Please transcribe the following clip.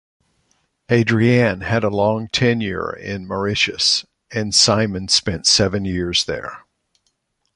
Adriaan had a long tenure in Mauritius, and Simon spent seven years there.